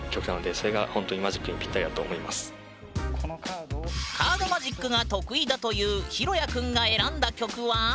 カードマジックが得意だというひろやくんが選んだ曲は。